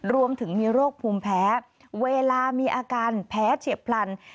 รวมถึงมีโรคภูมิแพ้เวลามีอาการแพ้เฉียบพลัน